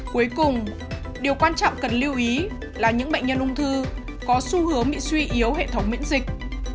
cuối cùng điều quan trọng cần lưu ý là những bệnh nhân ung thư có xu hướng bị suy yếu hệ thống miễn dịch